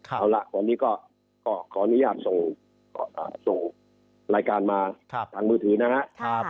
เอาล่ะวันนี้ก็ขออนุญาตส่งรายการมาทางมือถือนะครับ